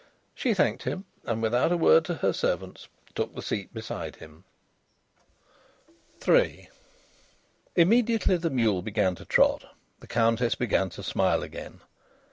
She thanked him, and without a word to her servants took the seat beside him. III Immediately the mule began to trot the Countess began to smile again.